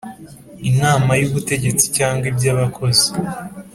Inama y ubutegetsi cyangwa iby abakozi